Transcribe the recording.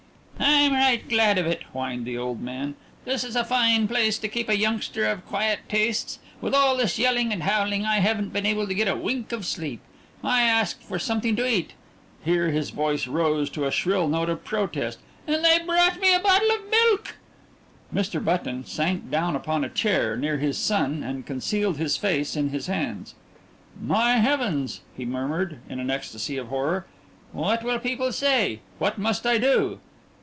"I'm right glad of it," whined the old man. "This is a fine place to keep a youngster of quiet tastes. With all this yelling and howling, I haven't been able to get a wink of sleep. I asked for something to eat" here his voice rose to a shrill note of protest "and they brought me a bottle of milk!" Mr. Button, sank down upon a chair near his son and concealed his face in his hands. "My heavens!" he murmured, in an ecstasy of horror. "What will people say? What must I do?"